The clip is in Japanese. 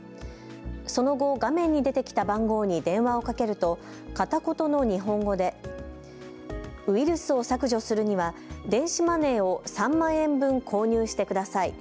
その後、画面に出てきた番号に電話をかけると片言の日本語でウイルスを削除するには電子マネーを３万円分購入してください。